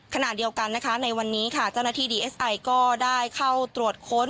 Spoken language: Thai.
ขณะเดียวกันนะคะในวันนี้ค่ะเจ้าหน้าที่ดีเอสไอก็ได้เข้าตรวจค้น